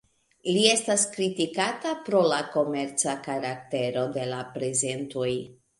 Li estas kritikata pro la komerca karaktero de la prezentoj.